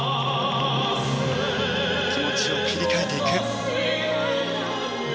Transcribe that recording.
気持ちを切り替えていく。